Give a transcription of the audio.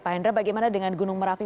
pak hendra bagaimana dengan gunung merapi